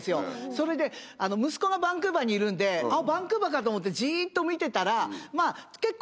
それで息子がバンクーバーにいるんで「バンクーバーか」と思ってじっと。